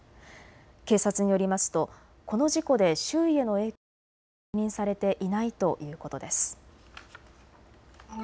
警察によりますとこの事故で周囲への影響は確認されていないということです。